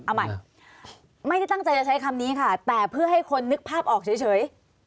เอาใหม่ไม่ได้ตั้งใจจะใช้คำนี้ค่ะแต่เพื่อให้คนนึกภาพออกเฉย